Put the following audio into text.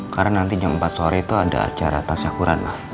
karena nanti jam empat sore itu ada acara tas syahkuran ma